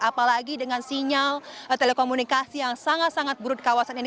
apalagi dengan sinyal telekomunikasi yang sangat sangat buruk di kawasan ini